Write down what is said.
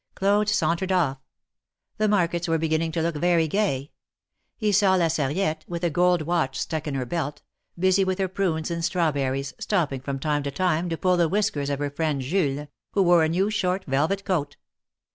Claude sauntered off. The markets were beginning to look very gay. He saw La Sarriette, with a gold watch stuck in her belt, busy with her prunes and strawberries, stopping from time to time to pull the whiskers of her friend Jules, who wore a new short velvet coat.